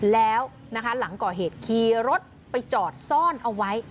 แล้วหลังก่อเหตุขี่รถไปจอดซ่อนเอาไว้